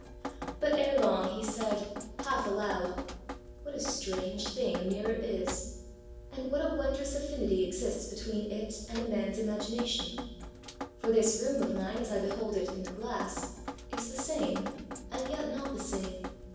But ere long he said, half aloud: ãWhat a strange thing a mirror is! and what a wondrous affinity exists between it and a manãs imagination! For this room of mine, as I behold it in the glass, is the same, and yet not the same.